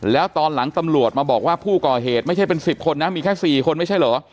แล้วตอนหลังตำรวจมาบอกว่าผู้ก่อเหตุไม่ใช่เป็น๑๐คนนะมีแค่๔คนไม่ใช่เหรอ